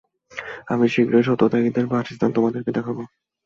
আমি শীঘ্র সত্যত্যাগীদের বাসস্থান তোমাদেরকে দেখাব।